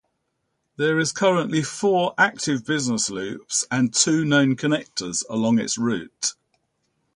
There is currently four active business loops and two known connectors along its route.